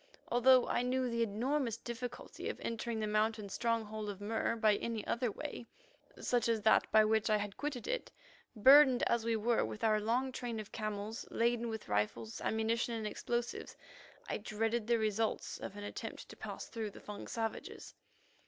Although I knew the enormous difficulty of entering the mountain stronghold of Mur by any other way, such as that by which I had quitted it, burdened as we were with our long train of camels laden with rifles, ammunition, and explosives, I dreaded the results of an attempt to pass through the Fung savages.